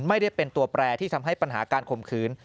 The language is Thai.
ไม่ได้เป็นตัวแปรที่ทำให้ปัญหาการข่มขืน